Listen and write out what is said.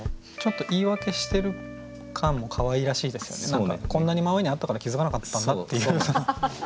だからこんなに真上にあったから気づかなかったんだっていう。